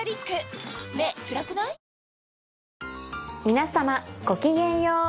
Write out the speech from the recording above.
皆様ごきげんよう。